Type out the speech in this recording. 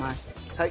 はい。